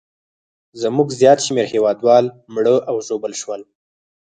زموږ زیات شمېر هیوادوال مړه او ژوبل شول.